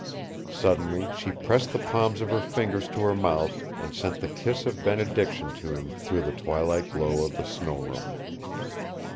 Suddenly she pressed the palms of her fingers to her mouth and sent the kiss of benediction to him through the twilight glow of the snow room.